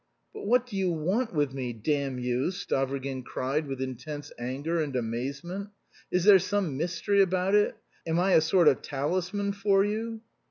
"But what do you want with me, damn you?" Stavrogin cried, with intense anger and amazement. "Is there some mystery about it? Am I a sort of talisman for you?"